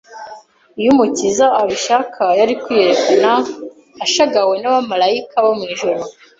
iyo Umukiza abishaka yari kwiyerekana ashagawe n'abamaraika bo mu ijuru